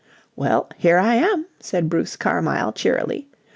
"Well, here I am!" said Bruce Carmyle cheerily.